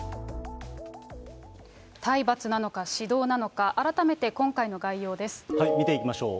体罰なのか、指導なのか、見ていきましょう。